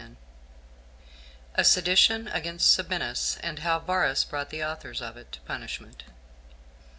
A Sedition Against Sabinus; And How Varus Brought The Authors Of It To Punishment.